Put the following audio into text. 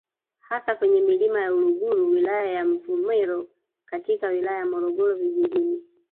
Hasa kwenye Milima ya Uluguru wilaya ya Mvomero na katika wilaya ya Morogoro vijijini